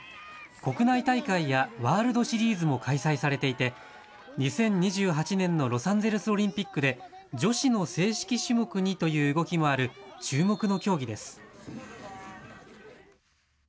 国内大会やワールドシリーズも開催されていて、２０２８年のロサンゼルスオリンピックで、女子の正式種目にという動きもある注目の競技です。